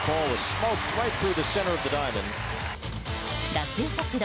打球速度